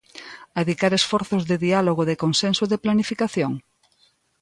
¿Adicar esforzos de diálogo, de consenso e de planificación?